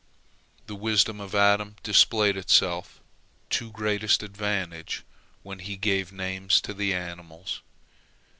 The wisdom of Adam displayed itself to greatest advantage when he gave names to the animals.